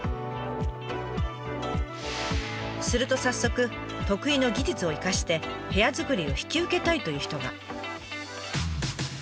すると早速得意の技術を生かして部屋作りを引き受けたいという人が。